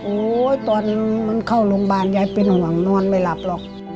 ตอนมันเข้าโรงพยาบาลยายเป็นห่วงนอนไม่หลับหรอก